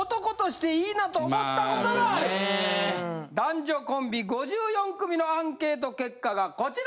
男女コンビ５４組のアンケート結果がこちら！